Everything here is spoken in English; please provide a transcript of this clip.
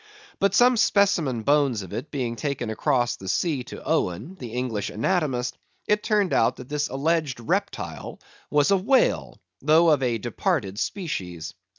But some specimen bones of it being taken across the sea to Owen, the English Anatomist, it turned out that this alleged reptile was a whale, though of a departed species.